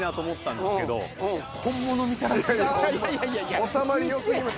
おさまりよすぎます。